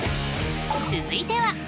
続いては。